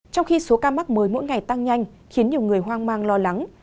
trong khi số ca mắc mới mỗi ngày tăng nhanh khiến nhiều người hoang mang lo lắng